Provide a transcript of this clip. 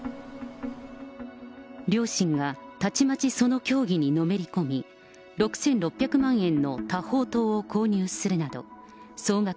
両親がたちまちその教義にのめり込み、６６００万円の多宝塔を購入するなど、総額